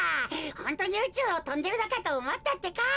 ホントにうちゅうをとんでるのかとおもったってか。